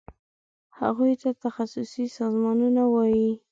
هغوی ته تخصصي سازمانونه وایي.